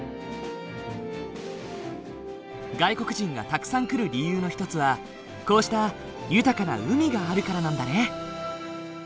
外国人がたくさん来る理由の一つはこうした豊かな海があるからなんだね。